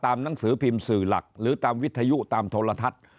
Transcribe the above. หนังสือพิมพ์สื่อหลักหรือตามวิทยุตามโทรทัศน์